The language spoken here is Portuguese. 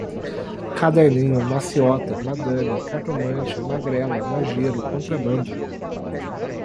caderninho, maciota, madame, cartomante, magrela, majero, contrabando